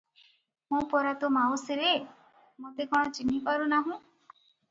ମୁଁ ପରା ତୋ ମାଉସୀରେ- ମୋତେ କଣ ଚିହ୍ନି ପାରୁନାହୁଁ?